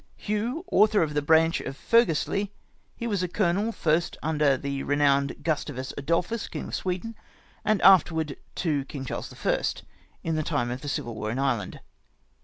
" Hugh, author of the branch of Fergusly ; he was a colonel, first under the renoun'd Grustavus Adolphus King of Sweden, and afterward to King Charles I. in the time of the Civil War in Ireland.